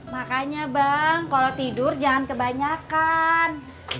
makanya bang kalau tidur jangan kebanyakan